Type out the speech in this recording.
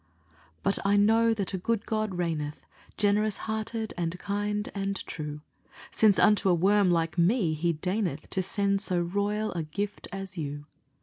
But I know that a good God reigneth, Generous hearted and kind and true; Since unto a worm like me he deigneth To send so royal a gift as you.